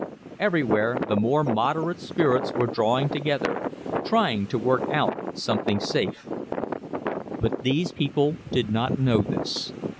Everywhere the more moderate spirits were drawing together, trying to work out something safe. But these people did not know this.